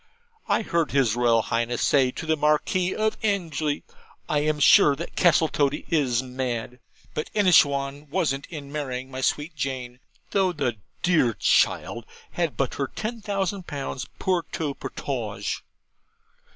I heard his Royal Highness say to the Marquis of Anglesey, "I am sure Castletoddy is mad!" but Inishowan wasn't in marrying my sweet Jane, though the dear child had but her ten thousand pounds POUR TOUT POTAGE!'